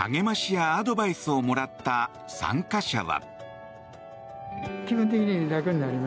励ましやアドバイスをもらった参加者は。